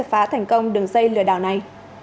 phá thành công đường xây lừa đảo này